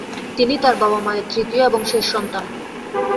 তিনি তারা বাবা-মায়ের তৃতীয় এবং শেষ সন্তান।